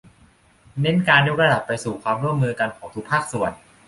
เน้นการยกระดับไปสู่ความร่วมมือกันของทุกภาคส่วน